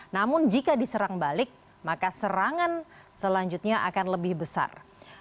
namun jika diserang balik maka serangan selanjutnya akan lebih besar